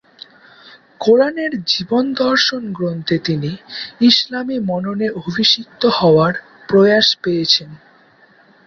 কোরানের জীবনদর্শন গ্রন্থে তিনি ইসলামি মননে অভিষিক্ত হওয়ার প্রয়াস পেয়েছেন।